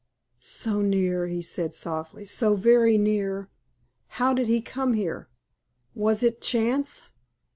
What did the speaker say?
"So near," he said, softly "so very near! How did he come here? Was it chance?"